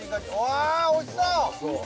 わあっおいしそう。